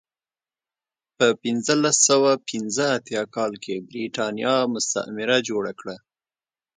په پنځلس سوه پنځه اتیا کال کې برېټانیا مستعمره جوړه کړه.